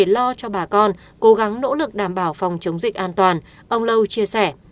lo cho bà con cố gắng nỗ lực đảm bảo phòng chống dịch an toàn ông lâu chia sẻ